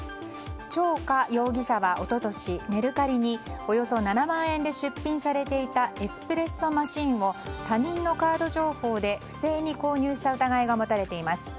チョウ・カ容疑者は一昨年メルカリにおよそ７万円で出品されていたエスプレッソマシンを他人のカード情報で不正に購入した疑いが持たれています。